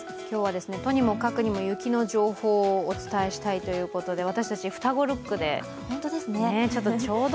今日はとにもかくにも雪の情報をお伝えしたいということで私たち、双子ルックで。